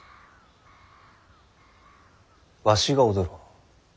わしが踊ろう。